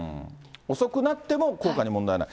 遅くなっても効果に問題はない。